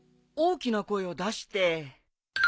大きな声を出して。